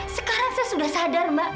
sekarang saya sudah sadar mbak